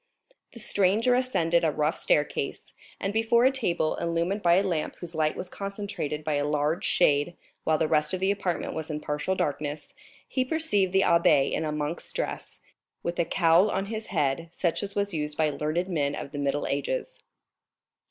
The stranger ascended a rough staircase, and before a table, illumined by a lamp whose light was concentrated by a large shade while the rest of the apartment was in partial darkness, he perceived the abbé in a monk's dress, with a cowl on his head such as was used by learned men of the Middle Ages.